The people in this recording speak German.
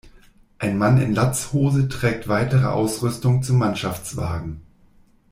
Ein Mann in Latzhose trägt weitere Ausrüstung zum Mannschaftswagen.